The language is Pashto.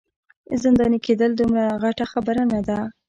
زنداني کیدل دومره غټه خبره نه ده.